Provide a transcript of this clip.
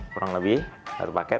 kurang lebih satu paket